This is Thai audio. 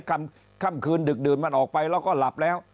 ค่ำคืนดึกดื่นมันออกไปแล้วก็หลับแล้ว